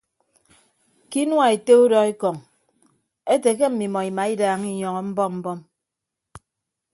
Ke inua ete udọ ekọñ ete ke mmimọ imaidaaña inyọñọ mbọm mbọm.